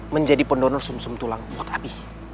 menjadi pendonor sum sum tulang buat abi